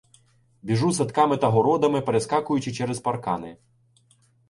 Біжу садками та городами, перескакуючи через паркани.